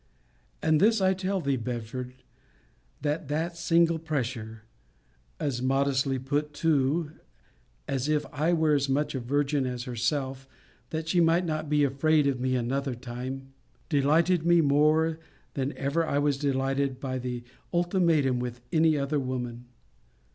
And this I tell thee, Belford, that that single pressure (as modestly put too, as if I were as much a virgin as herself, that she might not be afraid of me another time) delighted me more than ever I was delighted by the ultimatum with any other woman.